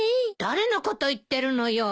誰のこと言ってるのよ。